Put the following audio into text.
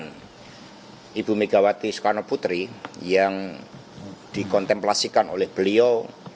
dengan ibu megawati soekarno putri yang dikontemplasikan oleh beliau